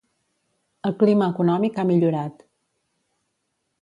El clima econòmic ha millorat.